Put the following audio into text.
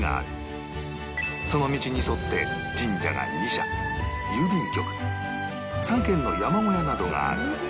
その道に沿って神社が２社郵便局３軒の山小屋などがある